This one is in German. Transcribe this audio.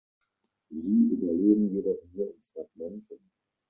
Sie überleben jedoch nur in Fragmenten.